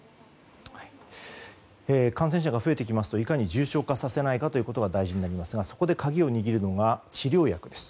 感染者が増えてきますといかに重症化させないかということが大事になりますがそこで鍵を握るのが治療薬です。